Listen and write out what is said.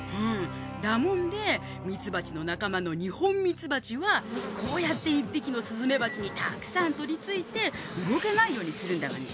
だもんでミツバチのなかまのニホンミツバチはこうやって１ぴきのスズメバチにたくさんとりついてうごけないようにするんだがね。